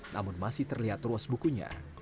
namun masih terlihat ruas bukunya